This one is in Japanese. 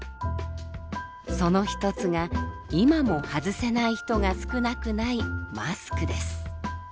その一つが今も外せない人が少なくないマスクです。